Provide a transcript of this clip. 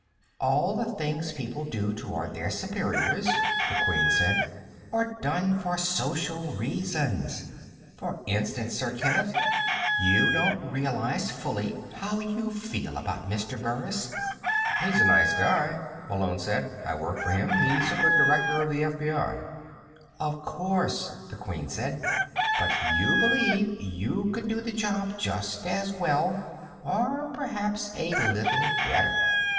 "All the things people do toward their superiors," the Queen said, "are done for social reasons. For instance, Sir Kenneth: you don't realize fully how you feel about Mr. Burris." "He's a nice guy," Malone said. "I work for him. He's a good Director of the FBI." "Of course," the Queen said. "But you believe you could do the job just as well, or perhaps a little better."